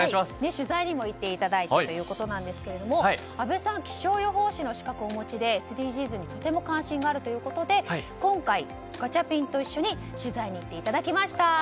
取材にも行っていただいたということなんですが阿部さん気象予報士の資格をお持ちでＳＤＧｓにとても関心があるということで今回、ガチャピンと一緒に取材に行っていただきました。